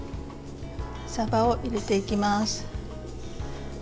さばを入れていきます。